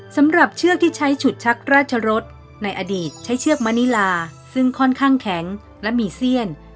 เชือกที่ใช้ฉุดชักราชรสในอดีตใช้เชือกมณิลาซึ่งค่อนข้างแข็งและมีเสี้ยน